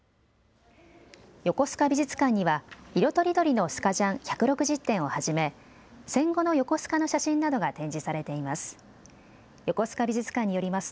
横須賀美術館には色とりどりのスカジャン１６０点をはじめ戦後の横須賀の写真などが展示されています。